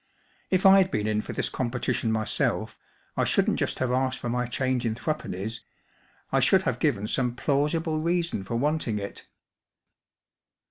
If I d been in for this competition myself I shouldn't just have asked for my change in threepennies ; I should have given some plausible re^on for wanting it."